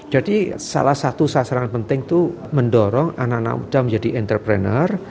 jadi salah satu sasaran penting itu mendorong anak anak muda menjadi entrepreneur